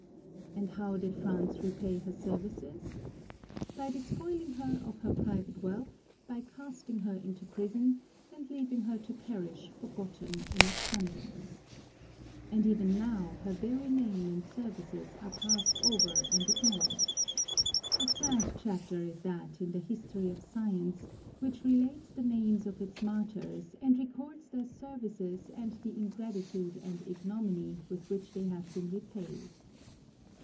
And how did France repay her services ? By despoiling her of her private wealth, by casting her into prison, and leaving her to perish forgotten in its dungeons. And even now her very name and services are passed over and ignored. A sad chapter is that in the history of science which relates the names of its martyrs, and records their services and the ingratitude and ignominy with which they have been repaid.